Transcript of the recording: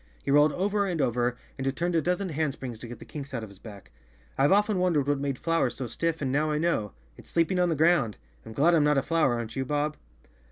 He rolled over and over and turned a dozen handsprings to get the kinks out of his back. "I've often wondered what made flowers so stiff and now I know. It's sleeping on the ground. I'm glad I'm not a flower, aren't you, Bob?"